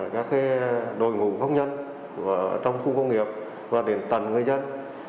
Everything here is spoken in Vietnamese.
các đội ngũ công nhân trong khu công nghiệp và đến tầng người dân